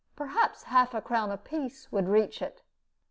Perhaps half a crown apiece would reach it."